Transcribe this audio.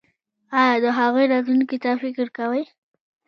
ایا د هغوی راتلونکي ته فکر کوئ؟